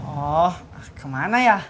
oh kemana ya